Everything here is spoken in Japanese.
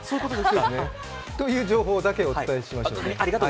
という情報だけをお伝えしました。